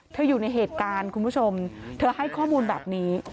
อยู่ในเหตุการณ์คุณผู้ชมเธอให้ข้อมูลแบบนี้